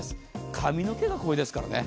髪の毛がこれですからね。